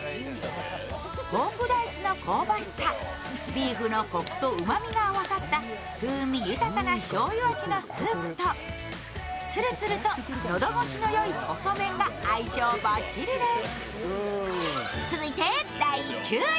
ポークダイスの香ばしさ、ビーフのこくとうまみが合わさった風味豊かなしょうゆ味のスープとツルツルと喉越しのよい細麺が相性バッチリです。